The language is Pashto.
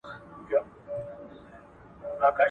دا قلمان له هغو پاک دي